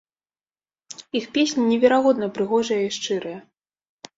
Іх песні неверагодна прыгожыя і шчырыя.